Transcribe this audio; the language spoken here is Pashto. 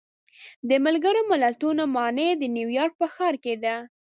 د ملګرو ملتونو ماڼۍ د نیویارک په ښار کې ده.